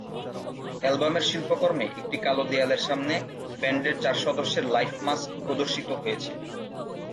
অ্যালবামের শিল্পকর্মে একটি কালো দেয়ালের সামনে ব্যান্ডের চার সদস্যের লাইফ-মাস্ক প্রদর্শিত হয়েছে।